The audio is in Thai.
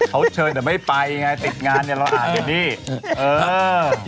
เขาเชิญแต่ไม่ไปไงติดงานเราก็อ่านอย่างนี้